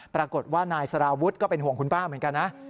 ปรากฏว่านายสารวุฒิก็เป็นห่วงคุณป้าเหมือนกันนะ